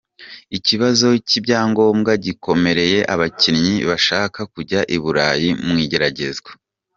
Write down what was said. Ikibazo cy’ibyangombwa gikomereye abakinnyi bashaka kujya i Burayi mu igeragezwa